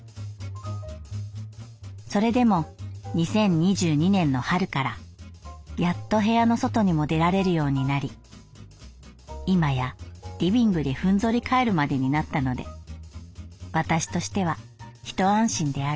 「それでも二〇二二年の春からやっと部屋の外にも出られるようになり今やリビングでふんぞり返るまでになったので私としては一安心である」。